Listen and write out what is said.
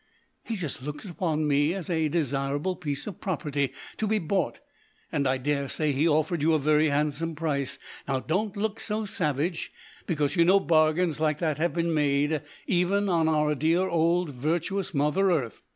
He just looks upon me as a desirable piece of property to be bought, and I daresay he offered you a very handsome price. Now, don't look so savage, because you know bargains like that have been made even on our dear old virtuous Mother Earth.